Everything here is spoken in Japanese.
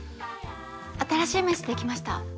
新しい名刺できました。